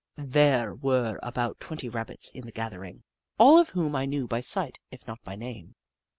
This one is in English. There were about twenty Rabbits in the gathering, all of whom I knew by sight if not by name.